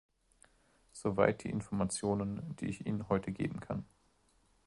So weit die Informationen, die ich Ihnen heute geben kann.